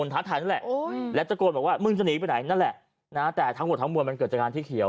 ทำทำไม